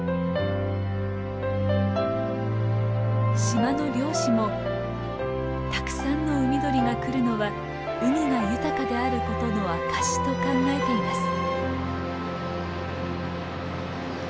島の漁師も「たくさんの海鳥が来るのは海が豊かであることの証し」と考えています。